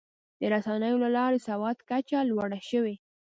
د رسنیو له لارې د سواد کچه لوړه شوې.